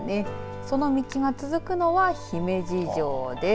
その道が続くのは姫路城です。